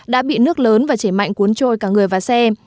đã bị nước lớn và chảy mạnh cuốn trôi cả người và xe